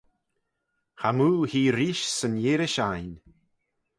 Chamoo hee reesht 'syn earish ain.